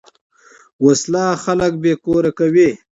وسله خلک بېکور کوي